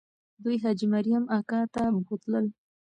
دوی حاجي مریم اکا ته بوتلل.